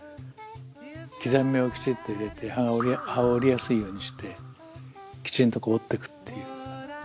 刻み目をきちっと入れて葉を折りやすいようにしてきちんと折っていくっていう。